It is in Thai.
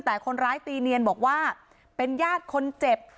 แต่คนร้ายตีเนียนบอกว่าเป็นญาติคนเจ็บ